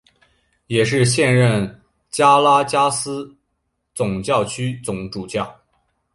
也是现任加拉加斯总教区总主教。